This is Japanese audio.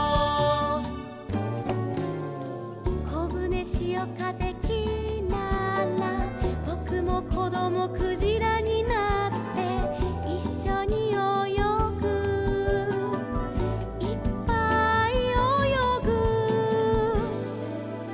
「こぶねしおかぜきらら」「ぼくもこどもクジラになって」「いっしょにおよぐいっぱいおよぐ」